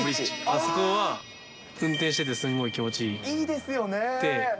あそこは運転しててすごい気いいですよね。